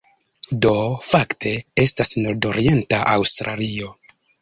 Do fakte estas nordorienta Aŭstralio.